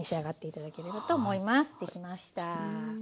できました。